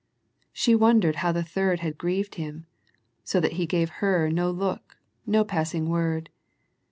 She wondered how the third had grieved Him, so that He gave her no look, no passing word.